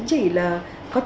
thì phải làm cho nó rõ